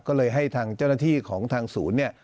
ก็เลยให้ทางเจ้าหน้าที่ของทางศูนย์เนี่ย